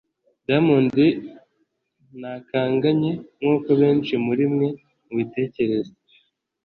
Diamond ntakanganye nk’uko benshi muri mwe mu bitekereza